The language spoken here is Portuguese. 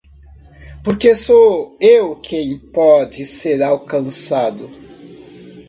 Porque sou eu quem pode ser alcançado